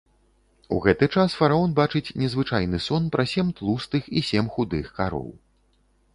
У гэты час фараон бачыць незвычайны сон пра сем тлустых і сем худых кароў.